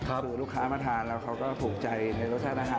คือลูกค้ามาทานแล้วเขาก็ถูกใจในรสชาติอาหาร